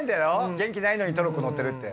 元気ないのにトロッコ乗ってるって。